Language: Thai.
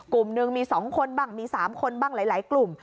กลุ่มหนึ่งมี๒คนบ้างมี๓คนบ้างหลายกลุ่ม